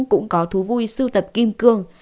cũng có thú vui sưu tập kim cương